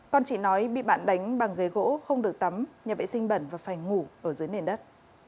con chị nói bị bạn đánh bằng ghế gỗ không được tắm nhà vệ sinh bẩn và phải ngủ ở dưới nền đất